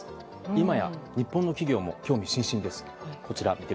いまや日本の企業も興味津々です。